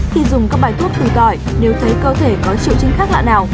khi dùng các bài thuốc từ tỏi nếu thấy cơ thể có triệu chứng khác lạ nào